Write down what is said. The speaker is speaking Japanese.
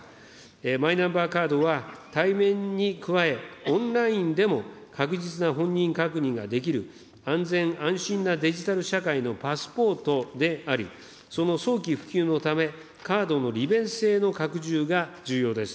マイナンバーカードは、対面に加え、オンラインでも確実な本人確認ができる、安全・安心なデジタル社会のパスポートであり、その早期普及のため、カードの利便性の拡充が重要です。